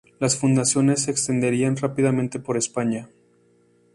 Las fundaciones se extenderían rápidamente por España.